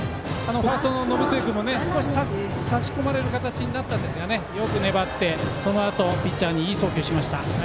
ファーストの延末君も少し差し込まれる形になったんですがよく粘ってそのあと、ピッチャーにいい送球しました。